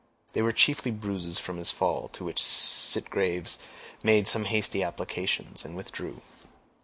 They were chiefly bruises from his fall, to which Sitgreaves made some hasty applications, and withdrew.